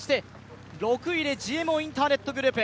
６位でＧＭＯインターネットグループ。